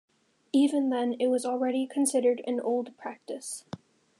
Even then, it was already considered "an old practice".